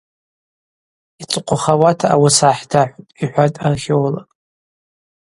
Йцӏыхъвахауата ауыс гӏахӏдахӏвтӏ, – йхӏватӏ археолог.